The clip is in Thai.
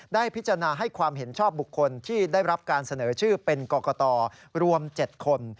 ได้พิจารณาให้ความเห็นชอบบุคคลที่ได้รับการเสนอชื่อเป็นกรกตรวม๗คน